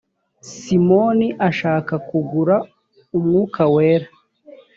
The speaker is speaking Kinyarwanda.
simoni ashaka kugura umwuka wera